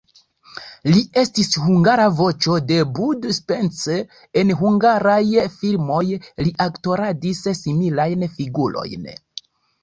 Li estis hungara voĉo de Bud Spencer, en hungaraj filmoj li aktoradis similajn figurojn.